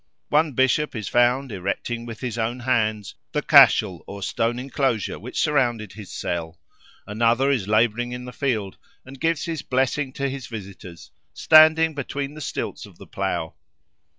One Bishop is found, erecting with his own hands, the cashel or stone enclosure which surrounded his cell; another is labouring in the field, and gives his blessing to his visitors, standing between the stilts of the plough.